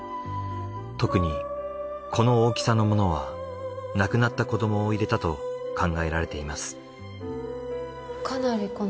特にこの大きさのものは亡くなった子どもを入れたと考えられています。